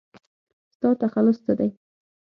ستا تخلص څه دی ؟